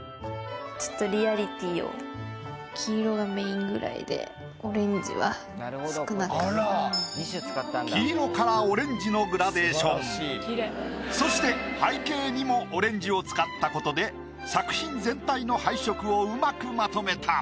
ちょっと黄色からオレンジのグラデーションそして背景にもオレンジを使ったことで作品全体の配色を上手くまとめた。